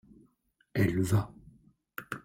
elle va.